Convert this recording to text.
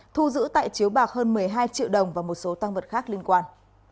thu giữ tại chiếu bạc hơn một mươi hai triệu đồng và một số tăng vật khác liên quan